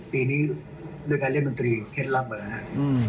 ทีนี้โดยการเรียนบังคืนเคล็ดลับแบบนั้นฮะ